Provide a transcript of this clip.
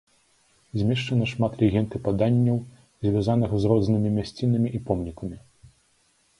Змешчана шмат легенд і паданняў, звязаных з рознымі мясцінамі і помнікамі.